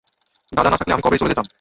দাদা না থাকলে আমি কবেই চলে যেতাম।